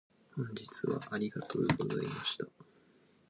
本日はありがとうございました。